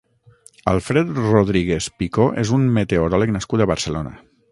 Alfred Rodríguez Picó és un meteoròleg nascut a Barcelona.